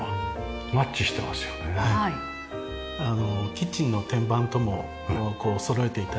キッチンの天板ともそろえて頂いてるので。